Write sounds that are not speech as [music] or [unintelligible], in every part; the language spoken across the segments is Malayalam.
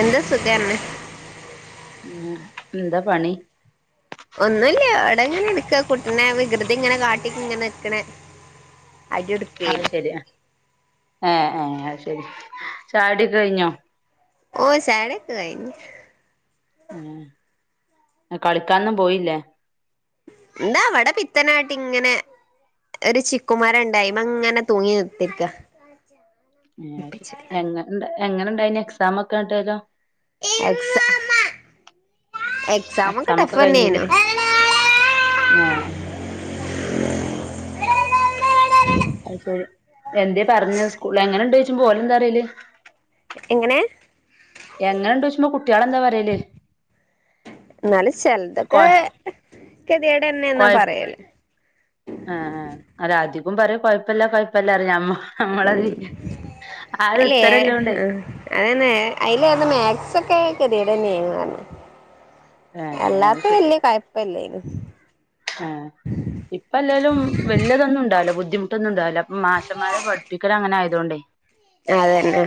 എന്താ സുഖന്നെ. ന്താ പണി. ഒന്നുല്ല്യ ഇവടങ്ങനെ ഇരിക്കാ കുട്ടിനെ വികൃതി ഇങ്ങനെ കാട്ടി ഇങ്ങനെ നിക്കണെ. അടിയൊട് അത് ശെരിയാ ഏ ഏ അയ് ശരി ചായുടിക്കെ കഴിഞ്ഞോ? ഓ ചായൊട്യാെക്കെ കൈഞ്ഞ്. ഉം കളിക്കാനൊന്നും പോയില്ലെ? ഇതാ ഇവെടെ പിത്തനാട്ടി ഇങ്ങനെ. ഒരു ചിക്കു മരണ്ട് അയിമ്മെ ഇങ്ങനെ തൂങ്ങി കുത്തര്ക്ക. അച്ച ഏഹ്. അത് ശെരി. എങ്ങനെണ്ടായിനി എങ്ങനണ്ടായിന് എക്സാമൊക്കെ ഇങ്ങെട്ടേലൊ. എക്സ എക്സാം ഒക്കെ ടഫെന്നേനു. ഏഹ് അയ്ശെരി. എന്തേ പറഞ്ഞെ സ്കൂള് ള്. എങ്ങനെണ്ട് ചോയ്ച്ചുമ്പം ഓല് എന്താറ്യല്. എങ്ങനെ? എങ്ങനെണ്ട് ചോയ്ച്ചുമ്പം കുട്ട്യേളെന്താ പറ്യല്. ഇന്നാലു കൊ ചെൽതൊക്കെ കെത്യേടെന്നെ എന്നാ കൊയ പറയല്. ആ ആ അല അധികും പറയും കൊഴപ്പല്ല കൊയപ്പല്ല അറിം ഞമ്മ നമ്മളതിന് ഉം ആ ഒരു അയ്ലേ ഉത്തരല്ലോണ്ടേ ആഹ് അതന്നെ. അയ്ലേറ്ന്ന മാക്സൊക്കെ കെത്യേടതന്നേണ് പർഞ്ഞ്. ഏഹേ അത് ശെരി കുഴപ്പല്ലേനു ഏഹ്. ഇപ്പ എല്ലാലും വല്യതൊന്നും ഇണ്ടാവൂല. ബുദ്ധിമുട്ടൊന്നും ഉണ്ടാവൂല. അപ്പ മാശമാരെ പഠിപ്പിക്കല് അങ്ങന ആയതോണ്ടെ [inaudible] അതെന്നെ.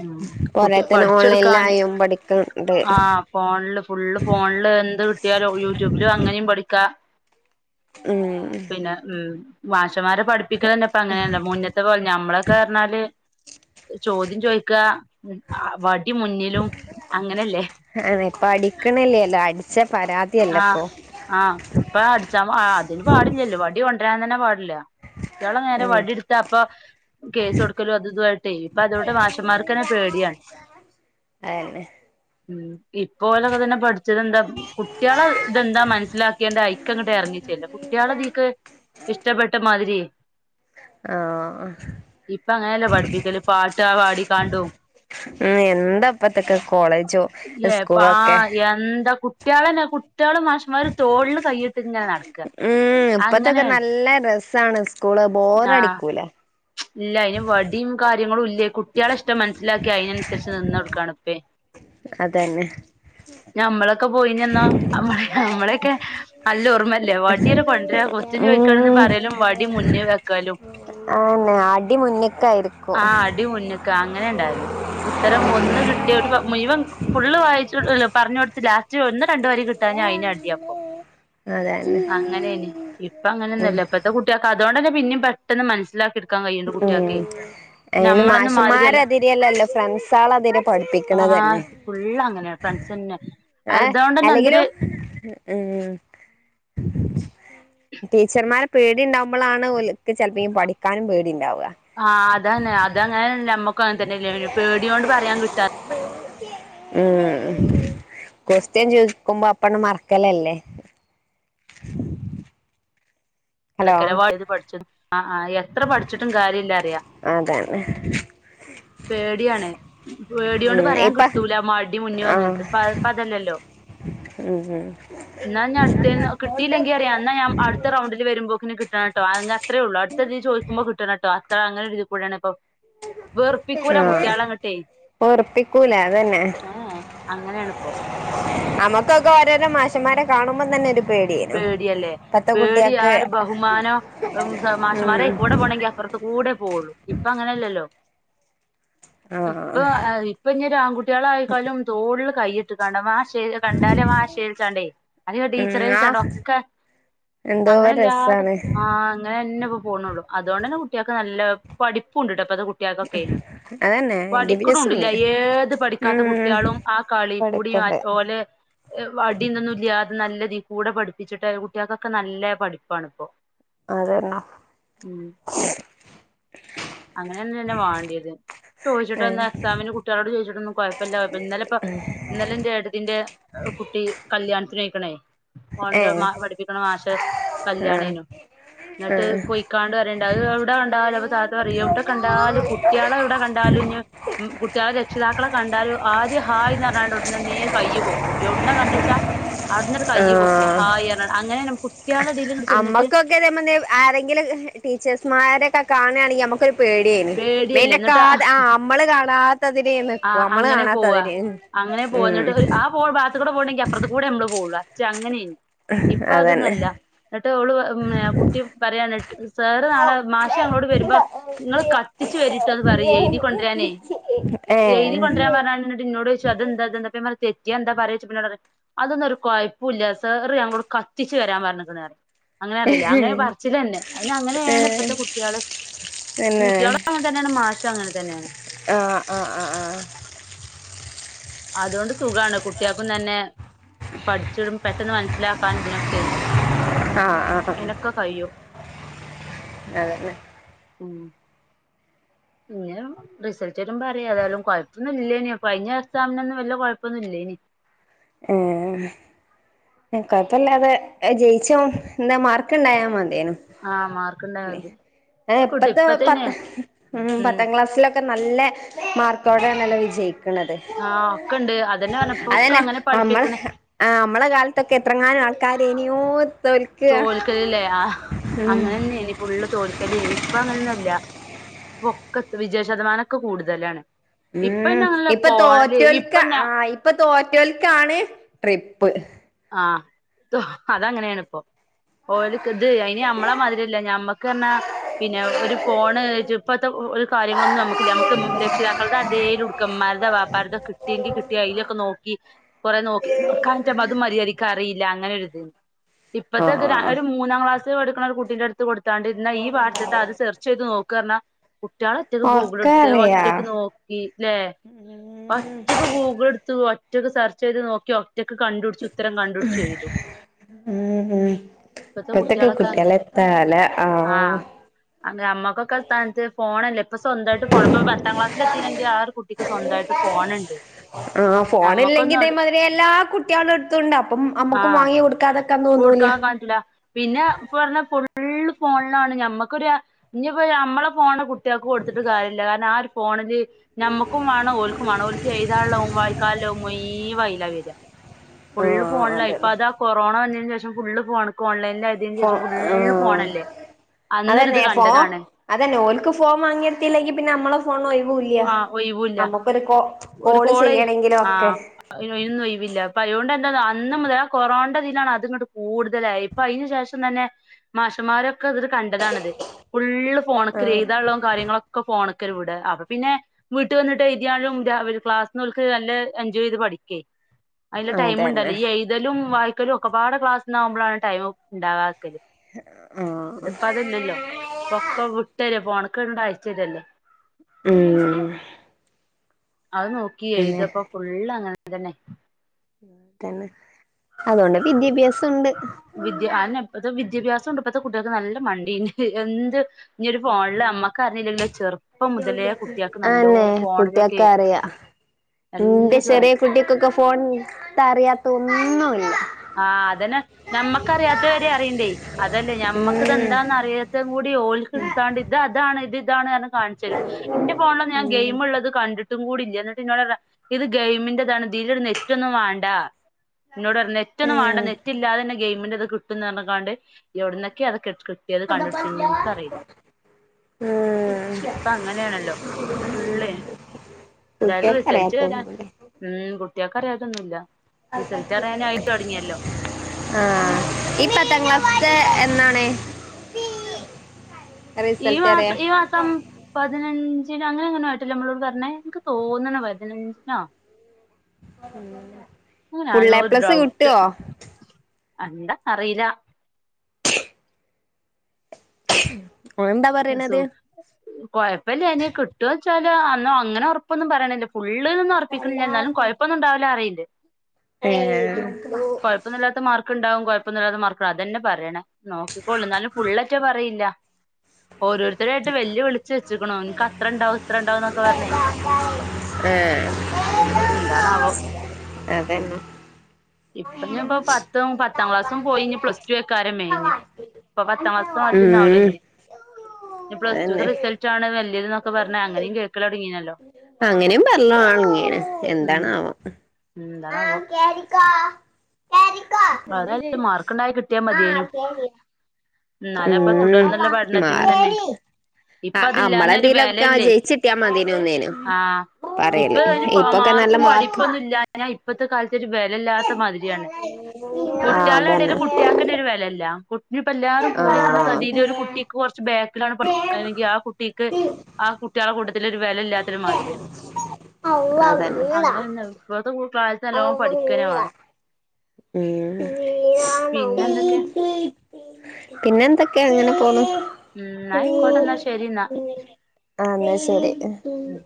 ഉം കൊറേ കുട്ടി തന്നെ പഠിച്ചെടുക്കാൻ ഓൺലൈൻലായും പഠിക്ക്ണ്ട്. ആ ഫോണില് ഫുള്ള് ഫോണില് എന്ത് കിട്ട്യാലും യൂട്യൂബിലും അങ്ങനിം പഠിക്കാ. ഉം പിന്നെ ഉം മാഷമാരെ പഠിപ്പിക്കലെന്നെ ഇപ്പ അങ്ങനേണ്ല്ലൊ. മുന്ന്ത്തെ പോലെ ഞമ്മളൊകേറ്ഞ്ഞാല്. ചോദ്യം ചോയ്ക്ക. ചോദ്യം ചോയ്ക്കാ വടി മുന്നിലും അങ്ങനെല്ലെ. അതെ. പഠിക്ക്ണ്ല്ലല്ലൊ. അടിച്ച പരാതിയെല്ലെ ആഹ് ഇപ്പം. ആഹ് ഇപ്പൊ അടിച്ച അതിന് പാടില്ലല്ലോ. വടി കൊണ്ടരാൻ തന്നെ പാടില്ല. കുട്ട്യാളെ നേരെ ഉം വടി ഇട്ത്ത അപ്പം. കേസ് കൊടുക്കലും അതുതുവായിട്ടേ ഇപ്പൊ അതോണ്ട് മാശന്മാർക്ക്ന്നെ പേട്യാണ്. അഎന്നെ. ഉം ഇപ്പോലൊക്കെ തന്നെ പഠിച്ചത് എന്താ കു കുട്ട്യേളെ ഇതെന്താ മനസ്സിലാക്ക്യാണ്ട് ഐക്ക് അങ്ങട്ട് ഇറങ്ങിച്ചെല്ലും. കുട്ട്യേള തീക്ക്. ഇഷ്ടപ്പെട്ട മാതിര്യെ. ആഹ് ഇപ്പ അങ്ങനെല്ലെ പഠിപ്പിക്കല് പാട്ടാ പാടിക്കാണ്ടും. ഉം എന്താ ഇപ്പത്തക്കെ കോളേജോ പാ സ്കൂളൊക്കെ എന്താ കുട്ട്യേളെന്നെ കു ഇട്ട്യാളും മാഷന്മാരും തോളില് കൈയിട്ട് ഇങ്ങനെ നടക്ക. ഉം ഇപ്പത്തൊക്കെ അങ്ങനേണ്. നല്ല രസാണ് സ്കൂള് ബോറടിക്കൂല ഇല്ല അയ്ന് വടിം കാര്യങ്ങളും ഇൽ അത കുട്ട്യേളെ ഇഷ്ടം മനസ്സിലാക്കി അയ്നനുസരിച്ച് നിന്ന് കൊടുക്കാണ്പ്പേയ്. പിന്നെ ഞമ്മളൊക്കെ പോയീന്യന്നൊ നമ്മളെ നമ്മളൊക്കെ നല്ല ഓർമ്മെല്ലേ വടിയണ്ട് കൊണ്ട്രര ക്വാസ്ഷൻ ചോയ്ക്കാണന്ന് ഉം പറയാലും, വടി മുന്ന് വെക്കലും ആന്നെ അടി മുന്നിക്കായിരിക്കും ടി മുന്ന്ക്ക അങ്ങനെ ഇണ്ടാവല്. ഉത്തരം ഒന്ന് കിട്ടിയ ഒരു മുവൻ ഫുള്ള് വായിച്ച പറഞ്ഞു കൊടുത്ത് ലാസ്റ്റ് ച്ചോ ഒന്ന് രണ്ട് വരി കിട്ടാഞ്ഞ അയ്ന് അടിയപ്പം. അതന്നെ അങ്ങനെനി ഇപ്പ ഉം അങ്ങനൊന്നല്ല ഇപ്പത്തെ കുട്ട്യക്ക് അതുകൊണ്ടന്നെ പിന്നേം പെട്ടെന്ന് മനസ്സിലാക്കി ക്കാ കയ്യിണ്ട് കുട്ട്യാക്കെ അയ്ന് മാഷന്മാരതിരില്ലല്ലോ ഫ്രണ്ട്സളാതിരെ ആഹ് പഠിപ്പിക്കണന്നെ. ഫുള്ള് അങ്ങനെയാ ഫ്രണ്ട്സന്നെ ഏ അതോണ്ടന്നെ എന്തൊരു അല്ലെങ്കിലും ഉം ടീച്ചർമാരെ പേടി ഇണ്ടാവുമ്പളാണ് ഓല് ക്ക് ചെൽപ്പം ഈ പഠിക്കാനും പേടി ഇണ്ടാവ ആഹ് അതാണ് അത് അങ്ങനെ നമ്മക്കും അങ്ങനെ തന്നെ അല്ലേ ഒര് പേട്യോണ്ട് പറയാൻ കിട്ടാ ഉം കൊസ്റ്റ്യൻ ചോയ്ക്കുമ്പം അപ്പണ്ണ് മർക്കലല്ലേ? ഹലോ [unintelligible] ആഹ് ആഹ് എത്ര പഠിച്ചിട്ടും കാര്യ ഇല്ല അറിയാ. അതാണ് പേട്യാണ് പേട്യോണ്ട് ഉം പറയാൻ ഇപ്പ കിട്ടൂല മടി മുന്നി വന്ന് ആഹ് നിക്കും പ ഇപ്പം അതല്ലല്ലോ. ഉം ഉം ന്നാ ഞാൻ അട്ത്തേന് കിട്ടില്ലെങ്കി അറിയാ എന്നാ ഞാൻ അട് അട്ത്ത റൗണ്ടില് വരുമ്പോക്കിന് കിട്ടണട്ടോ അതങ്ങ് അത്രേ ഒള്ളൂ അടുത്തതീ ചോയ്ക്കുമ്പം കിട്ടണട്ടോ അത്ര അങ്ങനെ ഒര് ഇതികൂടേണ് വെർപ്പിക്കൂല കുട്ട്യാളെ ഇങ്ങട്ടെ. വെർപ്പിക്കൂല അതന്നെ അങ്ങനെയാണിപ്പോ അമ്മക്കൊക്കെ വ ത്തെര മാഷമാരെ കാണുമ്പം തന്നെ ഒരു പേടിയേനു പേട്യല്ലേ ഇപ്പത്തെ പേടി ആ കുട്ടികൾക്ക് ഒരു ബഹുമാനം ഉം സ മാഷ്മാരെ ഉം അയ്കൂടെ പോണങ്കി അപ്പർ ത്ത് കൂടെ പോവൊള്ളു ഇപ്പം അങ്ങനല്ലല്ലോ ആഹ് ഇപ്പം ആ ഇപ്പം ഇനി ആൺകുട്ട്യാള് ആയിക്കാലും തോള്ള് കൈയി ട്ട്കാണ്ടവാ മാഷ് കണ്ടാല് മാഷ് വിളിച്ചാണ്ടേ അല്ലയോ ടീച്ചറെ ഉം ആഹ് ഒക്കെ എന്തോ അങ്ങനല്ലാതെ രസാണ് അ ആഹ് അങ്ങനെന്നെ ഇപ്പം പോണൊള്ളു അതോണ്ടന്നെ കുട്ട്യക്ക് നല്ല പഠിപ്പും ഉണ്ട്ട്ടോ ഇപ്പത്തെ കുട്ട്യക്കൊക്കെ. അതന്നെ വിദ്യാഭ്യാസം പഠിക്ക്ണുണ്ട്ല്ലേ ഉണ്ട് ഏത് പഠിക്കാത്ത ഉം കുട്ട്യളും ആ കളി കൂടിം അ പഠിക്കണ്ട് ഓല് വടീന്നൊന്നും ഇല്ല്യതെ അത് നല്ല ഇതീ കൂടെ പഠിപ്പിച്ചിട്ട് കുട്ട്യക്കൊക്കെ നല്ല പഠിപ്പാണ് ഇപ്പോ അതന്നാ. അങ്ങനന്നെല്ലേ വാണ്ട്യത്. ചോയ്ച്ചിട്ടൊന്ന് എക്സാമിന് കുട്ട്യളോട് ചോദിച്ചിട്ടൊന്നും കൊഴപ്പല്ല കൊഴ ഇന്നലെ ഇപ്പം ഇന്നലെ എൻ്റെ ഏടത്തിന്റെ കുട്ടി കല്യാണത്തിന് പോയ്ക്ക്ണേ ഓന്റെ ഏഹ് മ പഠിപ്പിക്ക്ണ മാഷ് ഏഹ് കല്ല്യാണേനു. ഇങ്ങട്ട് ആഹ് പോയിക്കാണ്ട് പറിണ്ട് അത് എവ്ടെ കണ്ടാലും അപ്പം താത്ത പറയും എവിടെ കണ്ടാലും ആഹ് കുട്യളെ എവിടെ കണ്ടാലും ഇഞ്ഞ് ഉം കുട്ട്യളെ രക്ഷിതാക്കളെ കണ്ടാലും ആദ്യം ഹായ്ന്ന് പർഞ്ഞാണ്ട് ഔട്‌ന്നൊന്നേ നേര് കയ്യ് പൊക്കും എവ്ട്‌ ന്നാ കണ്ടേച്ചാ അവിട്ന്നൊരു കയ്യ് പൊക്കും ആഹ് ഹായ് ർഞ്ഞ അങ്ങനെണ് കുട്ട്യാളെ ഇതി അമ്മകൊക്കെ ഇതേ മാതിരി ആരെങ്കിലും ടീച്ചേഴ്സ്മാരെക്കെ കാണ്യാണെങ്കി നമ്മുക്കൊരു പേട്യോനി പേടിയല്ലേ എന്നിട്ട് മെയ്ൻ്റക്കാതെ ആ അമ്മള് കാണാ കാണാത്താതിരി ആ നിക്കും നമ്മള് അങ്ങനെ കാണാത്താതിരി ഉം ഉം. ഇപ്പൊ ബാത്ത്കൂടെ പോണെങ്കി അപ്പർത്തു കൂടെ നമ്മള് പോവൊള്ളു അച് അങ്ങനെനി ഇപ്പം അതന്നെ അതൊന്നല്ല. എന്ന്ട്ട് ഓള് കുട്ടി പറ്യാണ് സാറ് നാളെ മാശ് ഞങ്ങളോട് വരുമ്പ ഇങ്ങള് കത്തിച്ച് വരീട്ടോന്ന് പറയ് എയ്തി കൊണ്ട്രാനേ. ഉം എയ്തി കൊണ്ടാരാ പർഞ്ഞാണ്ട് എന്നിട്ട് എന്നോടൊയിച്ചു അതെന്താ ഇത് എന്ത അപ്പം ഞാൻ പർഞ്ഞ് തെ റ്റ്യാ എന്താ പറയച്ചപ്പം എന്നോട് പറയാ അതൊന്നും ഒരു കൊയപ്പൂല്ല സാറ് ഞങ്ങളോട് കത്തിച്ച്‌ വരാൻ പറഞ്ഞ്ക്ക്ണ് അങ്ങനെ പറ്യല്‌ അങ്ങനെ പർച്ചിലന്നെ അയ്ന് അങ്ങനെണ് ഏഹ് ഇപ്പഴ്ത്തെ കുട്ട്യാള്. പിന്നെ കുട്ട്യാളും അങ്ങനെ തന്നെണ് മാഷും അങ്ങനെ തന്നെണ്. ആഹ് ആ ആ ആ അതോണ്ട് സുഖാണ് കുട്ടിയക്കും തന്നെ പഠിച്ചിടും പെട്ടെന്ന് മനസ്സിലാക്കാൻ ഇതിനൊക്കെ ആഹ് ആഹ് ആഹ് എനൊക്കെ കഴിയും അതന്നെ ഉം ഇങ്ങനെ വേണം റിസൾട്ട് വരുമ്പം അറിയാ ഏതായാലും കൊഴപ്പൊന്നു ഇല്ലേന് കഴിഞ്ഞ എക്സാമിനൊന്നും വല്ല്യ കൊഴപ്പൊന്നു ഇല്ലേന് ഏഹ് കൊഴപ്പില്ലാതെ ജയിച്ചാ എന്താ മാർ ക്കിണ്ടായ മതീനു ആഹ് മാർക്ക് ഉണ്ടായത് ഏ ഇപ്പൊ കിട്ടും ഇപ്പത്തെ ഇപ്പത്തേന് പത്ത് ഉം പത്താം ക്ലാസ്സിലൊക്കെ ഒക്കെ നല്ല മാർക്കോടെ ആണല്ലൊ വിജയി ആഹ് ഒക്കെണ്ട് അതന്നെ പറഞ്ഞപ്പോ ഒക്കെ അങ്ങനെ പടി മ്മളെ ആഹ് അമ്മളെ കാലത്തൊക്കെ എത്രങ്ങാനും ആൾക്കാരെയ്‌നോ തോൽക്കലില്ലേ ആഹ് അങ്ങനെന്നെയ്‌നി ഫുള്ള് തോൽക്കല് എയ്നി ഇപ്പം അങ്ങനെന്നുല്ല ഇപ്പൊക്കെ വിജയ ശതമാനൊക്കെ കൂടുതലാണ് ഇപ്പ ഉം പിന്നെ അങ്ങനല്ല ഇപ്പ ഫോണില് തോറ്റോൽക്ക ഇപ്പൊ ഞാ ആഹ് ഇപ്പ തോറ്റോൽക്കാണ് ട്രിപ്പ് ആഹ് തോ അതങ്ങനെയാണ് ഇപ്പം ഓല്ക്ക്ത് അയ്നി നമ്മളെ മാതിര്യല്ല ഞമ്മക്ക് ർഞ്ഞാ പിന്നെ ഒരു ഫോണ് ഇപ്പത്തെ ഒരു കാര്യങ്ങളൊന്നും ഞമ്മക്കില്ല ഞമ്മക്ക് രക്ഷിതാക്കളുടെ അതേ ക്ക ഇമ്മാര്തൊ വാപ്പാർതൊ കിട്ടിയെങ്കി കിട്ടി അയ്ലൊക്കെ നോക്കി കൊറെ നോക്കി നോക്കാനെറ്റെ മര്യാദിക്ക് അറീല്ല അങ്ങനൊര്ത് ഇപ്പത്തെക്കെ ആഹ് ഒരു മൂന്നാം ക്ലാസ് പഠിക്ക്ണ ഒരു കുട്ടിന്റെ അടുത്ത് കൊട്ത്ത ത്താണ്ട് ഇന്ന ഈ പഠത്ത്ത്തെ അത് സെർച്ച് ചെയ്ത് നോക്ക് പറഞ്ഞ കുട്ടേള് ഒറ്റക്ക് ഗൂഗിള് ഒക്കെ ഇടുത്ത് അറിയാ ഒറ്റക്ക് നോ ല്ലേ ഒറ്റക്ക് ഗൂഗിള് ഇടുത്ത് ഒറ്റക്ക് സെർച്ച് ചെയ്ത് നോക്കി ഒറ്റക്ക് കണ്ടട്ച്ചും ഇത്തരം കണ്ടുട്ചെയ്തും ഉം ഉം കുട്ട്യാളൊക്കെ അങ്ങനെ ഇപ്പത്തൊക്കെകുട്ടിയോലെ ഒകെ ഒരു തല ആഹ് അത് ഞമ്മക്കൊക്കെ ആ സ്ഥാനത്ത് ഫോണല്ലെ ഇപ്പം സ്വന്തായിട്ട് ഫോൺ ഇപ്പം പത്താം ക്ലാസ്സില് എത്തീണെങ്കി ആ ഒരു കുട്ടിക്ക് സ്വന്തായിട്ട് ഫോണുണ്ട് ആഹ് ഫോണില്ലെങ്കി നമ്മക്കൊന്നും അത് ഇതമാതി എല്ലാ കുട്ടികളെ അടുത്തും ഉണ്ട് അപ്പം അമ്മക്കും നമ്മക്കും വാങ്ങി കൊടുക്കാനെക്കാൻ തോന്നൂല ഇല്ല പിന്നെ പറഞ്ഞ ഫുള്ള് ഫോണിലാണ് ഞമ്മക്കൊരു ഇഞ്ഞ്പ്പം നമ്മളെ ഫോണ് കുട്ടിയൽക്ക് ക്ക് കൊടുത്തിട്ട് കാര്യല്ല കാരണം ആ ഒരു ഫോണില് ഞമ്മക്കും മാണം ഓൽക്കും മാണം ഓൽക്ക് എയ്താള്ളതും വായിക്കാള്ളതും മുയ് വം അയ്ലാ വര്യാ ഫുള് ആഹ് അതെ ഫോണിലായിപ്പം അത് ആ കൊറോണ വന്നതിന് ശേഷം ഫുള്ള് ഫോണ്ക്ക് ഓൺലൈലായി തിന് ശേഷം ഫുള്ള് ഫോണല്ലേ അതെന്നെ അന്നൊരിത് ഫോൺ കണ്ടതാണ് അതന്നെ ഓൽക്ക് ഫോൺ വാങ്ങ്യൊട്ത്തില്ലെങ്കി പിന്നെ ഞമ്മളെ ഫോണിന് ഒരൊയ് വൂല്ല ആ ഒഴിവൂല്ല ഞമ്മക്കൊരു കോ കോള് ചെയ്യണെങ്കിലും ഒക്കെ അതിന് അയ്നൊന്നും ഒയിവില്ല അപ്പം അയ്‌നോണ്ട് എന്താന്നൊ അന്ന് മ ആ കൊറോണൻ്റെ ഇതിലാണ് അത് ഇങ്ങട്ട് കൂടുതലായത് ഇപ്പം അയ്ന് ശേഷം തന്നെ മാഷന്മാരൊക്കെ അത്ട് കണ്ടതാണത് ഫുള്ള് ഫോണൊക്ക്ട ആഹ് എയ്താള്ളതും കാര്യങ്ങളൊക്കെ ഫോണ്ക്കല്ലെ വിട അപ്പം പിന്നെ വീട്ട് വന്നിട്ട് എയ്തി യാലും ഹൈ എംഎം ഐലും ക്ലാസ്ന്ന് ഒൽക്ക് നല്ല എൻജോയ് ചെയ്ത് പഠിക്കേ അയ്ന് ല്ലെ ടൈംണ്ടല്ലൊ അതന്നെ ഈ എയ്തലും വായ്ക്കലും ഒക്കപ്പാടെ ക്ലാസ്ന്നാ വുമ്പളാണ് ടൈം ഉണ്ടാവാതെ ആഹ് ഇതിപ്പതല്ലല്ലോ ഇപ്പൊക്കെ വിട്ടര ഫോണ് ക്കാണ്ട് അയച്ചെരല്ലേ ഉം [unintelligible] അതഹ് നോക്കി പിന്നെ എഴ്താപ്പൊ ഫുള്ള് അങ്ങനെ തന്നെ അങ്ങനെ തന്നെ അതോണ്ട് വിദ്യാഭ്യാസം ഇണ്ട് ദ്യ അയെന്നെ ഇപ്പത്തെ വിദ്യാഭ്യാസം ഇണ്ട് ഇപ്പത്തെ കുട്ട്യേക്ക് നല്ല മണ്ടീംണ്ട് എന്ത് ഈ ഒരു ഫോണില് അമ്മക്ക് അറീലല്ലോ ചെറ്പ്പം മുതലേ കുട്ട്യാക്ക് നല്ലോം ആന്നെ ഫോണിലൊക്കേ കുട്ടിയൊക്കെ അറിയാ ഇന്റെ ചെറ്യേ കുട്ടിക്കൊക്കെ ഫോണ് ഇട്ത്ത അറിയാത്തൊന്നുംല്ല ആഹ് അതെന്നെ ഞമ്മക്കറിയാത്തഹ് വെരെ അറീണ്ടെയ് അതല്ല ഞമ്മക്ക്ത് ഉം എന്താന്ന് അറിയ ത്തഹും കൂടി ഓൽക്ക് ഇട്ത്താണ്ട് ഇത് അതാണ് ഇത് ഇതാണ് പർഞ്ഞ് കാൺച്ചെരും ഇന്റെ ഫോണിലൊന്നും ഞാൻ ഉം ഗെയിമ് ഇള്ളത് കണ്ട്ട്ട് ട്ട് കൂടി ഇല്ല്യ ഇന്നട്ട് ഇന്നോട് പർയാ ഇത് ഗെയിമിന്റെ ഇതാണ് ഇതിനൊരു നെറ്റൊന്നും വാണ്ട ഇന്നോട് പർഞ്ഞ് നെറ്റൊന്നും വാണ്ട ഏഹ് നെറ്റ് ഇല്ലാതെ തന്നെ ഗെയ്മ്ന്റെ ഇത് കിട്ടുംന്ന് പർഞ്ഞ് കാണ്ട് എവ്ട്ന്നൊക്ക്യേ അതൊക്കെ ഇട്ക്ക്ട് ത്യേത് ഉം കണ്ടുട്ച്ചീന്ന് ന്ന് ഇൻക്കറീല ഇപ്പ അങ്ങനേണല്ലോ ഫുളള് എന്തായാലും കുട്ടികൾക്ക് റിസൽറ്റ് വെരാൻ അറിയാത്തോന്നുല്ലേ ഉം കുട്ട്യാക്ക് അറിയാത്തൊന്നുഇല്ല [unintelligible] തൊടങ്ങിയല്ലോ ആഹ് ഈ പത്താം ക്ലാസ്ത്തെ എന്നാണ് ഈ റിസൾട്ട് മാസ അറിയാ ഈ മാസം പതിനഞ്ചിനോ അങ്ങനെഎങ്ങനോ ആയ്ട്ടല്ലേ നമ്മളോട് പർഞ്ഞെ ഇൻക്ക് തോന്ന്ണ് പതിനഞ്ചിനോ ഫുൾ എ അങ്ങനാന്നോര് പ്ലസ് ഡൗട്ട് കിട്ടുവോ എന്ത ക്കറീല എന്താ പ്ലസ്സോ പറയണത് കൊഴപ്പല്ലെയ്നി കിട്ടോയ്ച്ചാല് അന്ന് അങ്ങനെ ഒറപ്പൊന്നും പറയ്ണില്ല ഫുള്ള്ന്നൊ ർപ്പിക്ക്ണില്ല്യ എന്നാലും ആഹ് കൊഴപ്പൊന്നുണ്ടാവൂലാ അറീണ്ട് കൊഴ പ്പൊന്നുല്ലാത്ത മാർക്ക് ഇണ്ടാവും കൊഴപ്പൊന്നുല്ലാത്ത മാർക്ക്ണ്ടാവും അതെന്നെ പറീണ് നോക്കിക്കോളൂ ഇന്നാലും ഫുള്ളെറ്റെ പറയില്ല ഓരോരുത്തരായിട്ട് വെല്ല് വിളിച്ച് വെച്ച്ക്ക്ണു ഇൻക്കത്രണ്ടാവും ഇത്രണ്ടാവുംന്നൊക്കെ പർഞ്ഞ് ഏഹ് എന്താണാവോ അതന്നെ ഇപ്പൊഞ്ഞ്പ്പൊ പത്തും പത്താം ക്ലാസ്സും പോയി ഇഞ് പ്ലസ് റ്റു എക്കാരം മെയ്ന് ഇപ്പൊ പത്താം ക്ലാസ്ത്തെ മാതിരിഒന്നും ആവൂല ഇഞ് ഞ് പ്ല്സ്ടുത്തെ റിസൽറ്റാണ് വല്യെത് ന്നൊക്കെ പർഞ്ഞ് അങ്ങനിം കേക്കലൊടങ്ങീനല്ലോ അങ്ങനിം പർലൊട് ങ്ങീക്ക്ണ് എന്താണാവോ ഉം ന്താണാവൊ ഏതായാലും മാർക്ക്ണ്ടായി കിട്ടിയാ മതിയേനു കൂ ഇന്നാലെ ഇപ്പൊ തുടർന്ന്ള്ള ന് മ പഠനത്തിനും തന്നെ ഇപ്പൊ അഹ് അതില്ലാഞ്ഞാ ഒരു അമ്മളിതീലൊക്കെ ആഹ് വെലല്ലേ ജെയ്ച്ച്ട്ടിയാ മതീനുന്നേന് ആഹ് പറയല് ഇപ്പൊക്കെ നല്ല മാർക്കും ർഞ്ഞാ ഇപ്പത്തെ കാലത്തൊരു വെലല്ലാത്ത മാതിരിയാണ് ആ കുട്ട്യാളെടേല് അതന്നെ കുട്ട്യാക്കെന്നൊരു വെലല്ല കുട്ടി ഇഞ്പ്പ എല്ലാരും ആ കൂടിക്ക്ണ സതീല് ഒരു കുട്ടിക്ക് കൊർച്ച് ബേ ക്ക്ലാണ് പഠിക്കാനെങ്കി ആ കുട്ടിക്ക് ആ കുട്ട്യാളെ കൂട്ട ത്തിലൊരു വെലല്ലാത്തൊരുമാതിരിയാ അങ്ങനെ പിന്നെ അഹും ഇപ്പഴ്ത്തെ കു ക്ലാ ത്ത് നല്ലോം പഠിക്കെന്നെ അതന്നെ വാണം ഉം ന്നെ പിന്നെ എന്തെക്കെ ഏയ് പിന്നെന്തൊക്കെ അങ്ങനെ പോണു ഉം ന്നായിക്കോട്ടന്നാ ശരിന്നാ ആഹ് ന്നാ ശരി ഉം